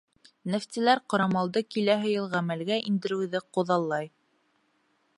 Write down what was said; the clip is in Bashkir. Нефтселәр ҡорамалды киләһе йыл ғәмәлгә индереүҙе күҙаллай.